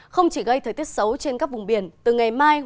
không chỉ gây thời tiết xấu trên các vùng biển